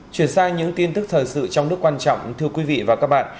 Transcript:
chuyển sang những tin tức thời sự trong nước quan trọng thưa quý vị và các bạn